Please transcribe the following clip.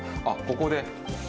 あっここで。